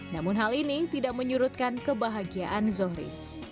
namun hal ini tidak menyurutkan kebahagiaan zohri